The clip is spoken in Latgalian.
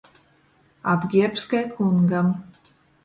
Apgierbs kai kungam.